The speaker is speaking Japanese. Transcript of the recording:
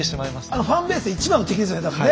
あのファンベースで一番の敵ですよね多分ね。